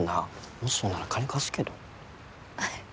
もしそうなら金貸すけどあっ